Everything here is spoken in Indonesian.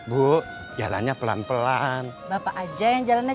bu jalannya pelan pelan bapak aja yang jalannya